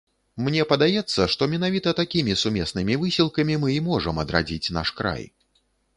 Мне падаецца, што менавіта такімі сумеснымі высілкамі мы і можам адрадзіць наш край.